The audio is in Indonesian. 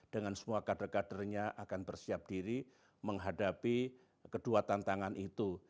dengan semua kader kadernya akan bersiap diri menghadapi kedua tantangan itu